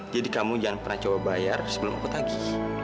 jadi kamu jangan pernah coba bayar sebelum aku tagi